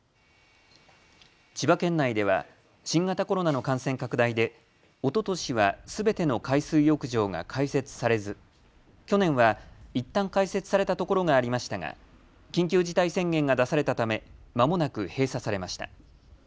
千葉県内では新型コロナの感染拡大でおととしはすべての海水浴場が開設されず去年はいったん開設されたところがありましたが緊急事態宣言が出されたためまもなく閉鎖されました。